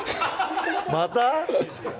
また？